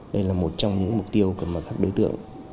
đây là một trong những mục tiêu của các đối tượng